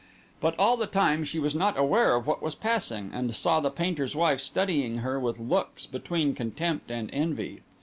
But all the time she was not aware of what was passing, and saw the painter's wife studying her with looks between contempt and envy.